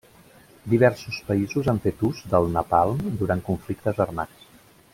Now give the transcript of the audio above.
Diversos països han fet ús del napalm durant conflictes armats.